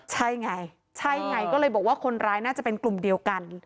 ใช่ไงใช่ไงก็เลยบอกว่าคนร้ายน่าจะเป็นกลุ่มเดียวกัน